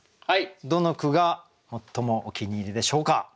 どの句が最もお気に入りでしょうか？